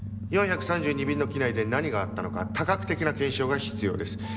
４３２便の機内で何があったのか多角的な検証が必要です。